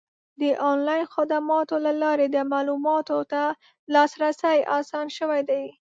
د آنلاین خدماتو له لارې د معلوماتو ته لاسرسی اسان شوی دی.